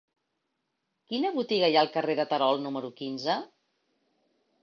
Quina botiga hi ha al carrer de Terol número quinze?